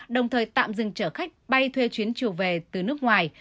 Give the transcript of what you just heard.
đồng thời tạm dừng chở khách bay thuê chuyến chiều về từ nước ngoài